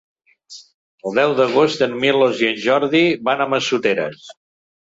El deu d'agost en Milos i en Jordi van a Massoteres.